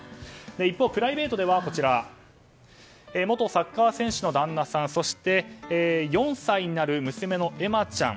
一方、プライベートでは元サッカー選手の旦那さんそして４歳になる娘のエマちゃん。